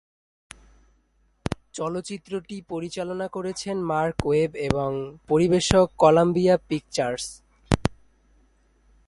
চলচ্চিত্রটি পরিচালনা করেছেন মার্ক ওয়েব এবং পরিবেশক কলাম্বিয়া পিকচার্স।